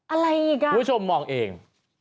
อะไรอีกอ่ะคุณผู้ชมมองเอง